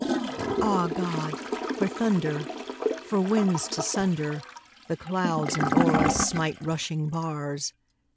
Ah, God! for thunder! for winds to sunder The clouds and o'er us smite rushing bars!